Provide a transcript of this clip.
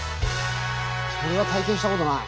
そんな体験したことない。